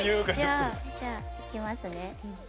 じゃあいきますね。